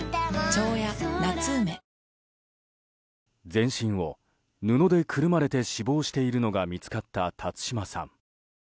全身を布でくるまれて死亡しているのが見つかった辰島さん。